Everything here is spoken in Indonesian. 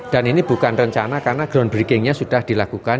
dan ini bukan rencana karena groundbreaking nya sudah dilakukan